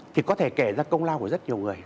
thì có thể kể ra công lao của rất nhiều người